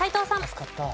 助かった。